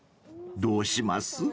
［どうします？］